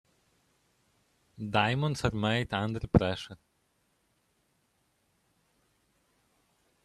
Diamonds are made under pressure.